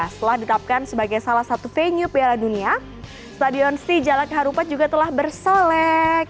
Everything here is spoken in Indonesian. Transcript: setelah ditapkan sebagai salah satu venue piala dunia stadion sijalak harupat juga telah berselek